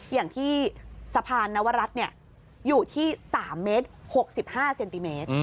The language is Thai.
อย่างที่สะพานนวรัตเนี่ยอยู่ที่สามเมตรหกสิบห้าเซนติเมตร